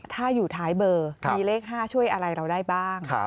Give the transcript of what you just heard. ถ้าอยู่ท้ายเบอร์มีเลข๕ช่วยอะไรเราได้บ้าง